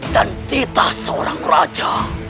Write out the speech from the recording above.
dan tidak seorang raja